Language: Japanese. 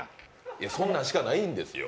いや、そんなんしかないんですよ。